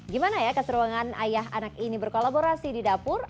gimana ya keseruangan ayah anak ini berkolaborasi di dapur